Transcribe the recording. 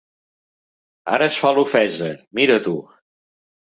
Ara es fa l'ofesa, mira tu.